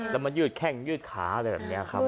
แล้วมายืดแข้งยืดขาอะไรแบบนี้ครับ